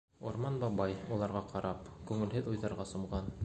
Урман бабай, уларға ҡарап, күңелһеҙ уйҙарға сумған.